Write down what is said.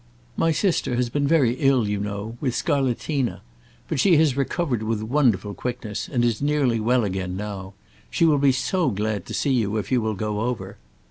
"My sister has been very ill, you know, with scarlatina. But she has recovered with wonderful quickness, and is nearly well again now. She will be so glad to see you if you will go over."